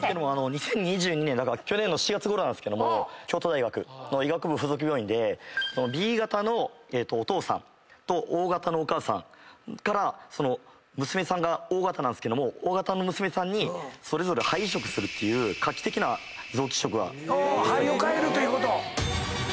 ２０２２年去年の４月ごろなんですけども京都大学の医学部附属病院でＢ型のお父さんとＯ型のお母さんから娘さんがＯ型なんですけどもＯ型の娘さんにそれぞれ肺移植するっていう画期的な臓器移植が。